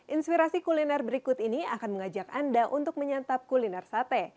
inspirasi kuliner berikut ini akan mengajak anda untuk menyantap kuliner sate